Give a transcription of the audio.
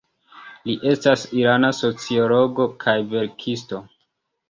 Li estas irana sociologo kaj verkisto.